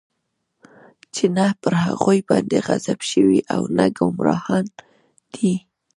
چې نه پر هغوى باندې غضب شوى او نه ګمراهان دی.